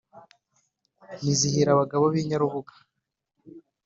Nizihira abagabo b’I Nyarubuga